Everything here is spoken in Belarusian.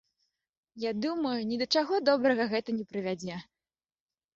Я думаю, ні да чаго добрага гэта не прывядзе.